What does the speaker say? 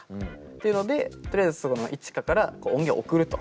っていうのでとりあえずＩｃｈｉｋａから音源を送ると。